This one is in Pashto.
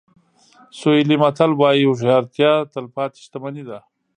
سوهیلي متل وایي هوښیارتیا تلپاتې شتمني ده.